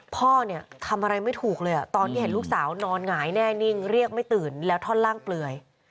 พ่อเนี่ยทำอะไรไม่ถูกเลยตอนที่เห็นลูกสาวนอนหงายแน่นิ่งเรียกไม่ตื่นแล้วท่อนล่างเปลือย